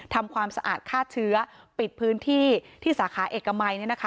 ทำความสะอาดฆ่าเชื้อปิดพื้นที่ที่สาขาเอกมัย